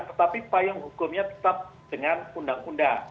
tetapi payung hukumnya tetap dengan undang undang